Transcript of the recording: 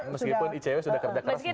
meskipun icw sudah kerja keras